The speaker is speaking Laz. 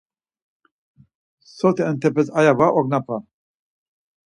Soti entepes aya var ognapa.